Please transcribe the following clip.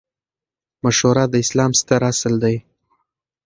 مشوره د اسلام ستر اصل دئ.